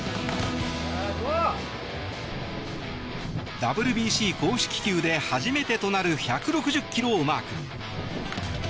ＷＢＣ公式球で初めてとなる１６０キロをマーク。